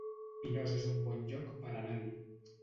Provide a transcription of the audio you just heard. Pinós es un bon lloc per anar-hi